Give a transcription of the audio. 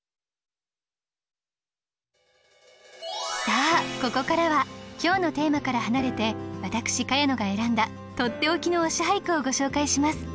さあここからは今日のテーマから離れて私茅野が選んだとっておきの「推し俳句」をご紹介します。